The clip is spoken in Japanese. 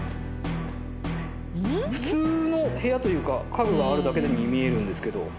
普通の部屋というか家具があるだけに見えるんですけど。